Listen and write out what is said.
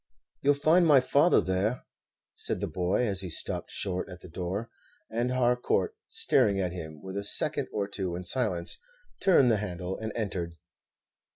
"You 'll find my father there," said the boy, as he stopped short at the door; and Harcourt, staring at him for a second or two in silence, turned the handle and entered.